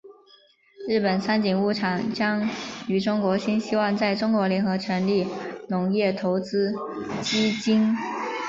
日本三井物产将与中国新希望在中国联合成立农业投资基金。